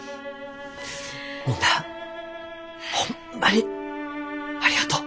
みんなホンマにありがとう。